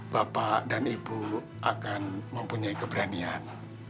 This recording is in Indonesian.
bapak dan ibu akan mempunyai keberanian